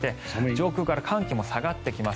上空から寒気も下がってきます。